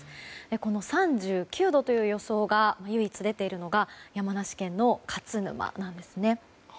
この３９度という予想が唯一、出ているのが山梨県の勝沼なんですね。